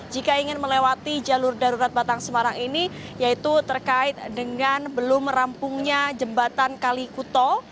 jika ingin melewati jalur darurat batang semarang ini yaitu terkait dengan belum merampungnya jembatan kalikuto